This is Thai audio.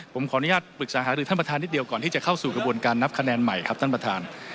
ผมขออนุญาตปรึกษาหารือท่านประธานนิดเดียวก่อนที่จะเข้าสู่กระบวนการนับคะแนนใหม่ครับท่านประธาน